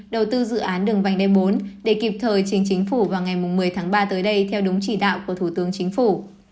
đầu tư dự án đường vành đai bốn để kịp thời chính chính phủ vào ngày một mươi tháng ba tới đây theo đúng chỉ đạo của thủ tướng chính phủ